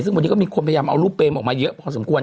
ซึ่งวันนี้ก็มีคนพยายามเอารูปเมมออกมาเยอะพอสมควร